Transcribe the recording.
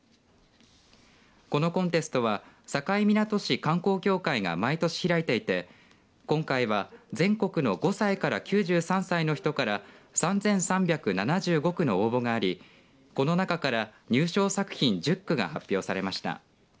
このコンテストは境港市観光協会が毎年開いていて今回は全国の５歳から９３歳の人から３３７５句の応募がありこの中から入賞作品１０句が発表されました。